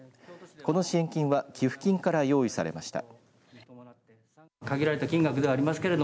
この支援金は寄付金から用意されました。